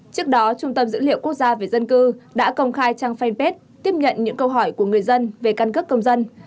trước đó trung tâm dữ liệu quốc gia về dân cư đã công khai trang fanpage tiếp nhận những câu hỏi của người dân về căn cước công dân